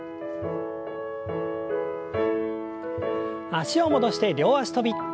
脚を戻して両脚跳び。